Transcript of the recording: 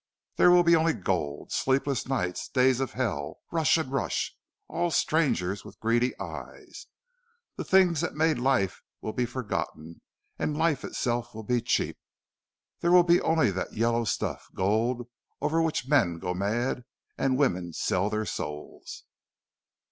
There will be only gold. Sleepless nights days of hell rush and rush all strangers with greedy eyes! The things that made life will be forgotten and life itself will be cheap. There will be only that yellow stuff gold over which men go mad and women sell their souls!"